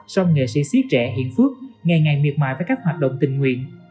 song nghệ sĩ siết trẻ hiện phước ngày ngày miệt mại với các hoạt động tình nguyện